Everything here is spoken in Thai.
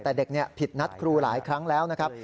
แต่เด็กผิดนัดครูหลายครั้งแล้วนะครับ